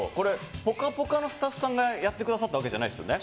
「ぽかぽか」のスタッフさんがやってくださったわけじゃないですよね？